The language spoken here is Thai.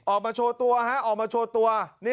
ออกมาโชว์ตัว